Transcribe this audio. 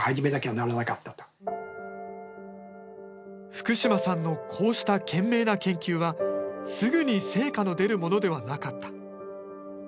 福島さんのこうした懸命な研究はすぐに成果の出るものではなかった。